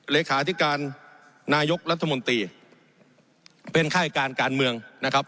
เลขาธิการนายกรัฐมนตรีเป็นค่ายการการเมืองนะครับ